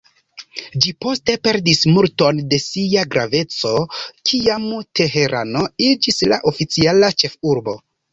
Ĝi poste perdis multon da sia graveco, kiam Teherano iĝis la oficiala ĉefurbo.